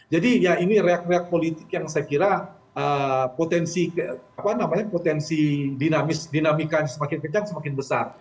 jadi ya ini reak reak politik yang saya kira potensi dinamikan semakin kencang semakin besar